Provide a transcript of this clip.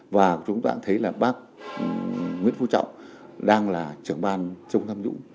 và chúng ta cũng thấy là bác nguyễn phú trọng đang là trưởng ban chống tham nhũng